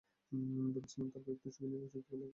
ভেবেছিলেন, তাঁর কয়েকটি ছবি নিয়ে চুক্তি করলে কী আর এমন হবে।